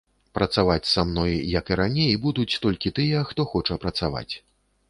Працаваць са мной, як і раней, будуць толькі тыя, хто хоча працаваць.